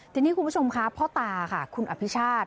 ทีนี้คุณผู้ชมค่ะพ่อตาค่ะคุณอภิชาติ